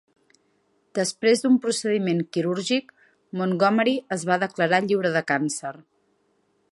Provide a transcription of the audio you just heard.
Després d'un procediment quirúrgic, Montgomery es va declarar lliure de càncer.